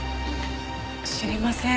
知りません。